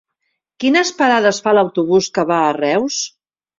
Quines parades fa l'autobús que va a Reus?